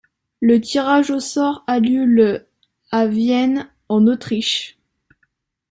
Le tirage au sort a lieu le à Vienne, en Autriche.